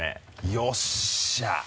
よっしゃ！